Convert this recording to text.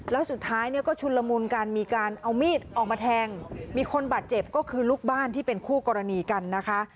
แล้วสุดท้ายเนี่ยก็ชุนละมุนกันมีการเอามีดออกมาแทงมีคนบาดเจ็บก็คือลูกบ้านที่เป็นคู่กรณีกันนะคะ